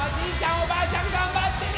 おばあちゃんがんばってね！